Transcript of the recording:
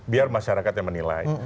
biar masyarakat yang menilai